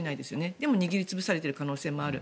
でも、握り潰されている可能性もある。